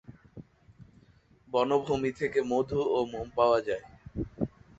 বনভূমি থেকে মধু ও মোম পাওয়া যায়।